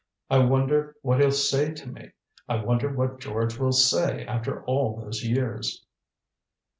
I wonder what he'll say to me. I wonder what George will say after all those years."